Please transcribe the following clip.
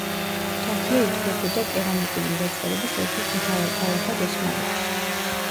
ქუთაჰია ითვლებოდა კერამიკული მრეწველობის ერთ-ერთ მთავარ ქალაქად ოსმალეთში.